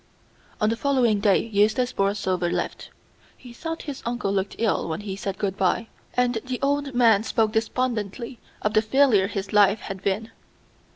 On the following day Eustace Borlsover left. He thought his uncle looked ill when he said good by, and the old man spoke despondently of the failure his life had been.